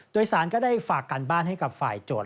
โดยสารก็ได้ฝากการบ้านให้กับฝ่ายโจทย